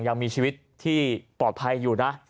ยังมีชีวิตที่ปลอดภัยอยู่นะ